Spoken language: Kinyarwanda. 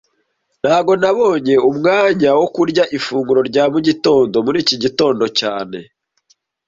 Ntago nabonye umwanya wo kurya ifunguro rya mugitondo muri iki gitondo cyane